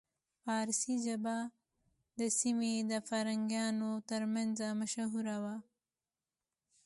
پارسي ژبه د سیمې د فرهنګیانو ترمنځ مشهوره وه